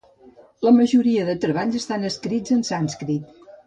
La majoria dels treballs estan escrits en sànscrit.